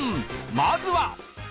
まずは